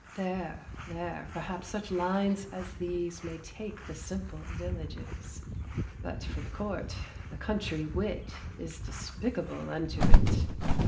There, there, perhaps such lines as these May take the simple villages; But for the court, the country wit Is despicable unto it.